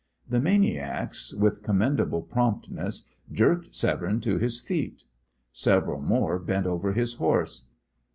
The maniacs, with commendable promptness, jerked Severne to his feet. Several more bent over his horse.